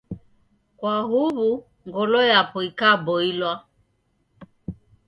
Kwa huw'u ngolo yapo ikaboilwa.